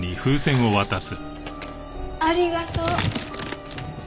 ありがとう。